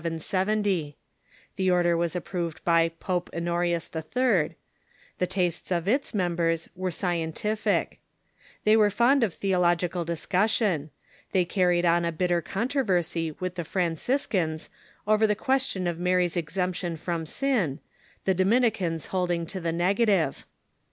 The order was approved by Pope Honorius III. The tastes of its members were scien tific. They were fond of theological discussion. They carried on a bitter controversy with the Franciscans over the ques tion of Mary's exemption from sin, the Dominicans holding to the negative.